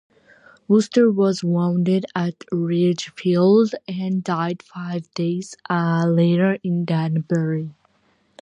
Wooster was wounded at Ridgefield and died five days later in Danbury.